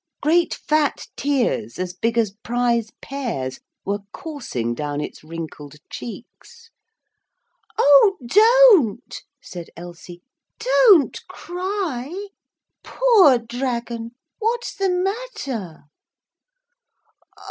Great fat tears as big as prize pears were coursing down its wrinkled cheeks. 'Oh, don't,' said Elsie, 'don't cry! Poor dragon, what's the matter?'